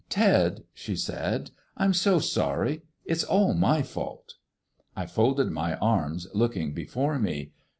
"Ted," she said, "I'm so sorry. It's all my fault." I folded my arms, looking before me.